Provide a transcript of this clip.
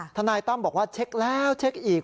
ทนายตั้มบอกว่าเช็คแล้วเช็คอีก